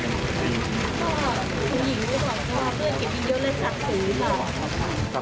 เพื่อนเก็บอีกเยอะเลยสักสีต่อครับ